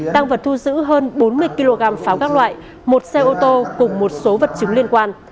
tăng vật thu giữ hơn bốn mươi kg pháo các loại một xe ô tô cùng một số vật chứng liên quan